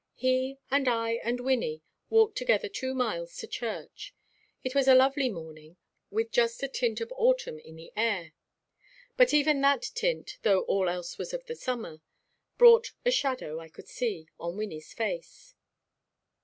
He and I and Wynnie walked together two miles to church. It was a lovely morning, with just a tint of autumn in the air. But even that tint, though all else was of the summer, brought a shadow, I could see, on Wynnie's face.